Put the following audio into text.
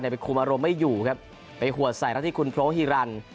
เดี๋ยวไปคุมอารมณ์ไม่อยู่ครับไปหัวใส่รัฐที่คุณโพธิรันด์